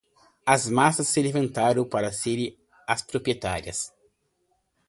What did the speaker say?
As massas se levantaram para serem as proprietárias